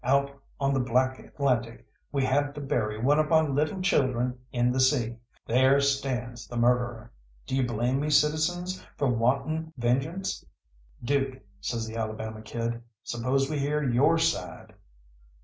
Out on the black Atlantic we had to bury one of my little children in the sea there stands the murderer! Do you blame me, citizens, for wanting vengeance?" "Dook," says the Alabama Kid, "suppose we hear your side?"